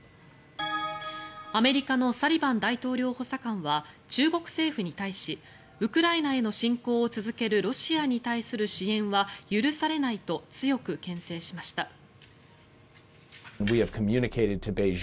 アメリカのサリバン大統領補佐官は中国政府に対しウクライナへの侵攻を続けるロシアに対する支援は許されないと強くけん制しました。